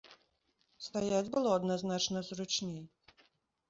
Стаяць было адназначна зручней.